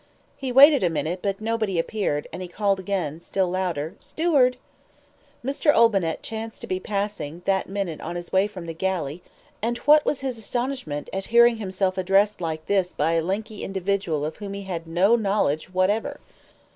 He waited a minute, but nobody appeared, and he called again, still louder, "Steward!" Mr. Olbinett chanced to be passing that minute on his way from the galley, and what was his astonishment at hearing himself addressed like this by a lanky individual of whom he had no knowledge whatever.